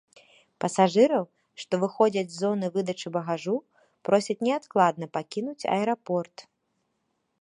Пасажыраў, што выходзяць з зоны выдачы багажу, просяць неадкладна пакінуць аэрапорт.